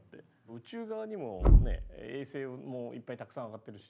宇宙側にも衛星もいっぱいたくさん上がってるし。